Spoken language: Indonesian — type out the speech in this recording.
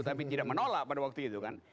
tapi tidak menolak pada waktu itu kan